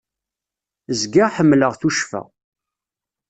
Zgiɣ ḥemmleɣ tuccfa.